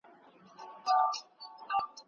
ټولنه به د پرمختګ لور ته ولاړه سي.